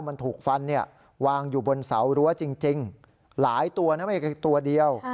มันถูกฟันวางอยู่บนเสารั้วจริงหลายตัวนะไม่ใช่ตัวเดียว